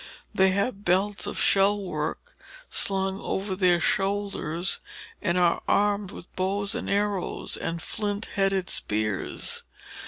They have belts of shell work slung across their shoulders, and are armed with bows and arrows and flint headed spears.